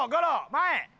前！